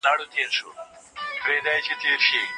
هر مامور باید خپل تمرکز کار ته وساتي.